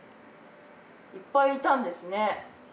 いっぱいいたんですね。